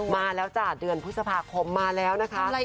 มาแล้วจ้ะเดือนพฤษภาคมมาแล้วนะคะ